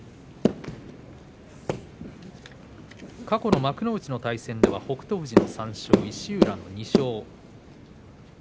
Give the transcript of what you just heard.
過去の幕内の対戦では北勝富士の３勝、石浦の２勝。